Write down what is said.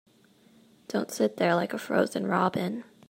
Don't sit there like a frozen robin.